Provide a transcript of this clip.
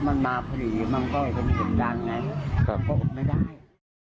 มันมาพอดีมันก็มีชัดยังไงไม่ได้